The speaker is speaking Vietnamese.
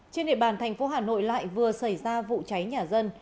trên địa bàn thành phố hà nội lại vừa xảy ra vụ cháy nhà dân